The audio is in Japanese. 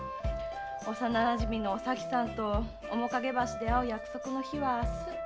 幼なじみのお咲さんとおもかげ橋で会う約束の日は明日。